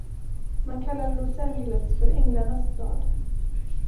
Man kallar Los Angeles för "Änglarnas Stad".